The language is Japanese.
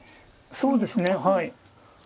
そうですねはい。